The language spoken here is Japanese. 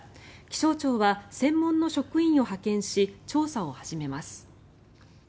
気象庁は専門の職員を派遣し調査を始めます。